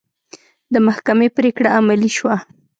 د محکمې پرېکړه عملي شوه.